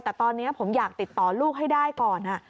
แต่ตอนนี้ผมอยากติดต่อลูกให้ได้ก่อน